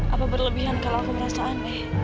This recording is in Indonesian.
apa berlebihan kalau aku merasa aneh